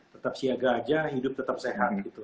tetap siaga aja hidup tetap sehat gitu